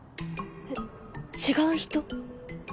え違う人？